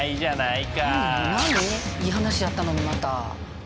いい話やったのにまた。